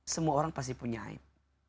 semua orang pasti punya aib